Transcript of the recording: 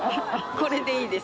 これでいいです。